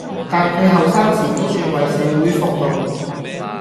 但佢後生時都算為社會服務